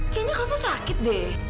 kayaknya kak fah sakit deh